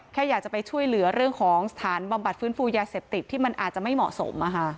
แค่อยากจะไปช่วยเหลือเรื่องของสถานบำบัดฟื้นฟูยาเสพติดที่มันอาจจะไม่เหมาะสม